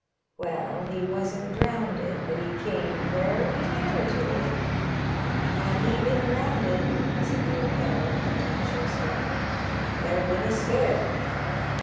Well, he wasn't drownded, bnt he came very near to it. Had he been drownded," said the old fellow, contemptuously, " there*d been a scare.